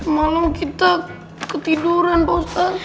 malah kita ketiduran pak ustadz